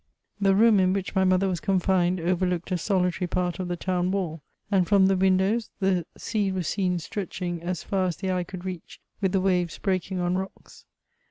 The room in which my mother was confined, overlooked a solitary part of the town wall, and from the windows the sea was seen stretching as far as the eye could reach, with the waves breaking on rocks.